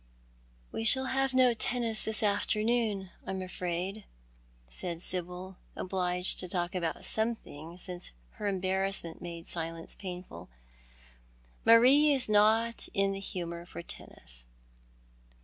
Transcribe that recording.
" "We shall have no tennis this afternoon, I'm afraid," said Sibyl, obliged to talk about something, since her embarrassment made silence painful. " Marie is not in the humour for tennis."